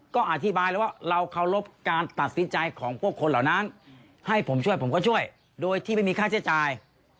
ก็อธิบายแล้วว่าเราเคารพการตัดสินใจของพวกคนเหล่านั้นให้ผมช่วยผมก็ช่วยโดยที่ไม่มีค่าใช้จ่าย